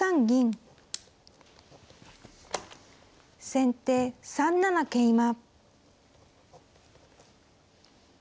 先手３七桂馬。